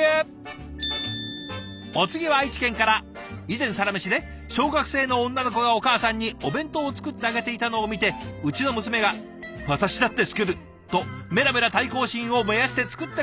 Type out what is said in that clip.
「以前『サラメシ』で小学生の女の子がお母さんにお弁当を作ってあげていたのを見てうちの娘が『私だって作る』とメラメラ対抗心を燃やして作ってくれました」。